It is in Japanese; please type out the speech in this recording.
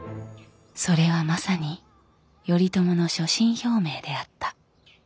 それはまさに頼朝の所信表明であった。